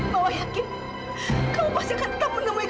mama yakin kamu pasti akan tetap menemui gadis itu